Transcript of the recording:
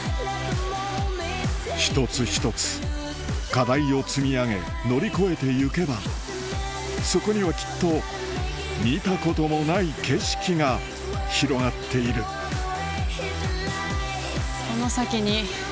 一つ一つ課題を積み上げ乗り越えていけばそこにはきっと見たこともない景色が広がっているうわ！